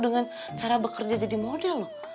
dengan cara bekerja jadi model loh